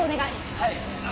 はい。